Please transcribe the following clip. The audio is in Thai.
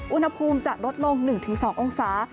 อุณหภูมิจะลดลง๑๒องศา